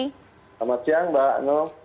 selamat siang mbak